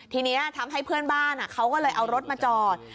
ทีนี้ทำให้เพื่อนบ้านเขาก็เลยเอารถมาจอด